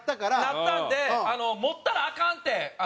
なったんで「持ったらアカン」って言われました。